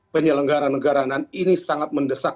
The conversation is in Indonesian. penyelenggara negara dan ini sangat mendesak